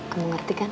kamu ngerti kan